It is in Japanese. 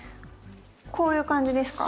こういう感じですか？